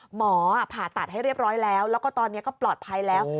หมอผ่าตัดให้เรียบร้อยแล้วแล้วก็ตอนนี้ก็ปลอดภัยแล้ว